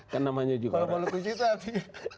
kalau malu kucing itu hati